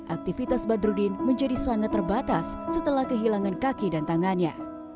aktivitas badrudin menjadi sangat terbatas setelah kehilangan kaki dan tangannya